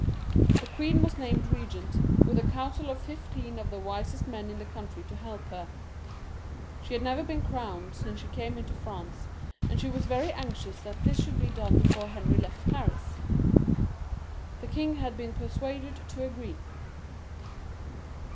The queen was named Eegent, with a council of fifteen of the wisest men in the country to help her. She had never been crowned since she came into France, and she was very anxious that this should be done before Henry left Paris. The king had been persuaded to agree.